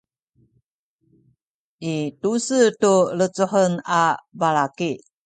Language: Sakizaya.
i tu-se tu lecuhen a balaki